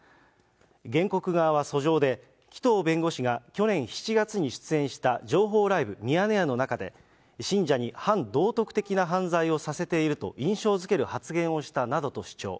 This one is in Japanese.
原告側は訴状で、紀藤弁護士が去年７月に出演した情報ライブミヤネ屋の中で、信者に反道徳的な犯罪をさせていると印象付ける発言をしたなどと主張。